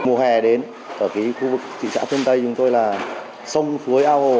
mùa hè đến ở cái khu vực thị trạng phương tây chúng tôi là sông phúi ao hồ rất nhiều